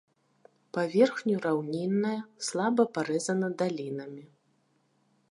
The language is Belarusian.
Паверхню раўнінная, слаба парэзана далінамі.